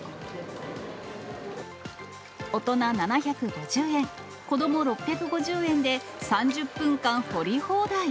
大人７５０円、子ども６５０円で、３０分間掘り放題。